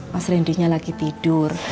mas rendynya lagi tidur